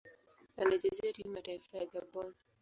Anachezea timu ya taifa ya Gabon.